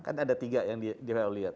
kan ada tiga yang di who lihat